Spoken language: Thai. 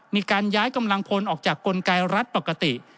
มีการย้ายกำลังพลออกจากกลไกรัฐปกติ